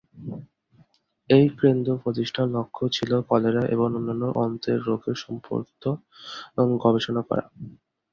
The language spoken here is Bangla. এই কেন্দ্র প্রতিষ্ঠার লক্ষ্য ছিল কলেরা এবং অন্যান্য অন্ত্রের রোগ সম্পর্কিত গবেষণা করা।